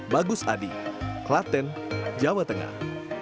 bagus adi klaten jawa tengah